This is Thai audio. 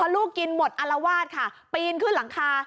ลูกกินหมดอารวาสค่ะปีนขึ้นหลังคา